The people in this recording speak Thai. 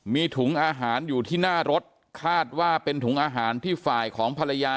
มีถุงอาหารอยู่ที่หน้ารถคาดว่าเป็นถุงอาหารที่ฝ่ายของภรรยา